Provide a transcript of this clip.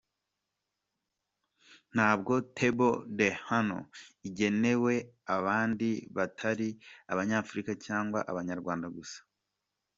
Ntabwo ’table d’honneur’ igenewe abandi batari Abanyafurika cyangwa Abanyarwanda gusa.